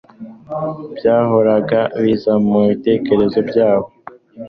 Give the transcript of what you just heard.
byahoraga biza mu bitekerezo byabo.